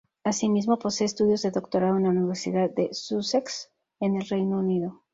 Asimismo, posee estudios de doctorado en la Universidad de Sussex, en el Reino Unido.